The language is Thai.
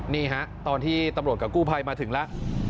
นี่ฮะตอนที่ตำรวจกับกู้ภัยมาถึงแล้ว